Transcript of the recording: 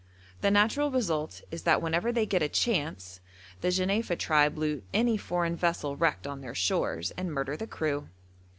The natural result is that whenever they get a chance the Jenefa tribe loot any foreign vessel wrecked on their shores and murder the crew.